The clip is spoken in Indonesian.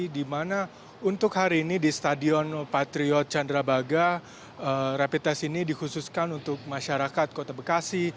di mana untuk hari ini di stadion patriot candrabaga rapid test ini dikhususkan untuk masyarakat kota bekasi